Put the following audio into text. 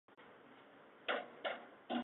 南洋蕗蕨为膜蕨科膜蕨属下的一个种。